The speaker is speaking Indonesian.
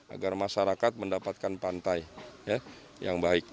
agar masyarakat mendapatkan pantai yang baik